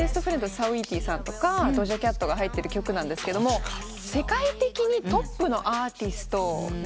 スウィーティーさんとかドージャ・キャットが入ってる曲なんですけど世界的にトップのアーティストなんですね。